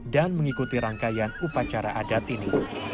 dan mengikuti rangkaian upacara adat ini